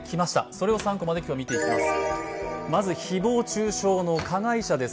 それを３コマで今日見ていきます。